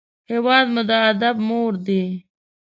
هېواد مو د ادب مور دی